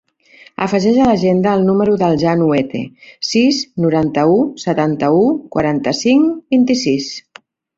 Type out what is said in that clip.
Afegeix a l'agenda el número del Jan Huete: sis, noranta-u, setanta-u, quaranta-cinc, vint-i-sis.